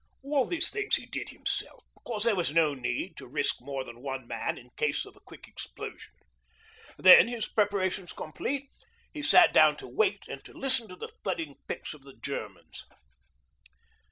All these things he did himself because there was no need to risk more than one man in case of a quick explosion. Then, his preparations complete, he sat down to wait and to listen to the thudding picks of the Germans.